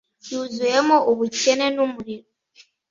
Yuzuyemo ubukene numurimo